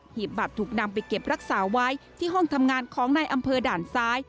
ีบบัตรถูกนำไปเก็บรักษาไว้ที่ห้องทำงานของนายอำเภอด่านซ้าย